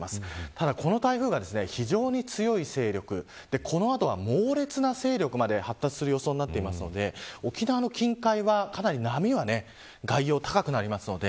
ただ、この台風は非常に強い勢力この後は猛烈な勢力まで発達する予想なので沖縄の近海は、かなり波が外洋では高くなりますので